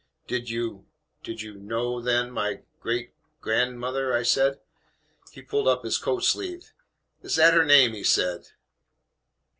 "Did you did you know, then, my great gr nd m ther?" I said. He pulled up his coat sleeve "Is that her name?" he said.